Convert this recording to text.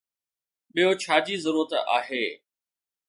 ٻيو ڇا جي ضرورت آهي؟